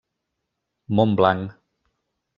Montblanc: